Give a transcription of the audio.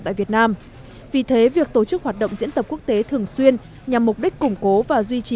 tại việt nam vì thế việc tổ chức hoạt động diễn tập quốc tế thường xuyên nhằm mục đích củng cố và duy trì